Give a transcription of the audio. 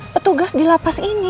petugas di lapas ini